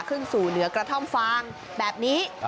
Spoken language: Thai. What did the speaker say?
ขึ้นสู่เหนือกระท่อมฟางแบบนี้